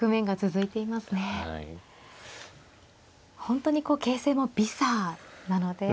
本当にこう形勢も微差なので。